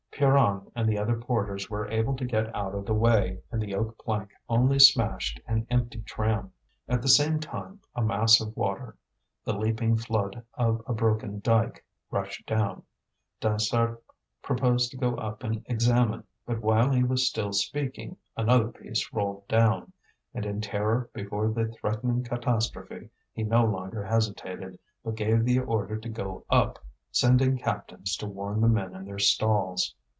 Pierron and the other porters were able to get out of the way, and the oak plank only smashed an empty tram. At the same time, a mass of water, the leaping flood of a broken dyke, rushed down. Dansaert proposed to go up and examine; but, while he was still speaking, another piece rolled down. And in terror before the threatening catastrophe, he no longer hesitated, but gave the order to go up, sending captains to warn the men in their stalls.